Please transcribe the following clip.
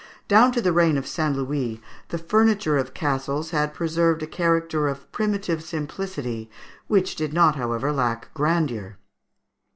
Down to the reign of St. Louis the furniture of castles had preserved a character of primitive simplicity which did not, however, lack grandeur.